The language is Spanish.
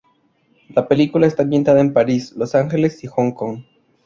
La película está ambientada en París, Los Ángeles, y Hong Kong.